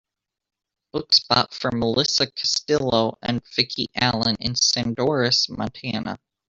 book spot for melisa castillo and vicky allen in Sadorus Montana